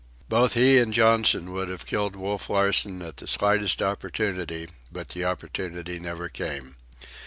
Both he and Johnson would have killed Wolf Larsen at the slightest opportunity, but the opportunity never came.